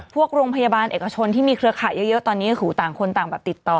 โรงพยาบาลเอกชนที่มีเครือข่ายเยอะตอนนี้ก็คือต่างคนต่างแบบติดต่อ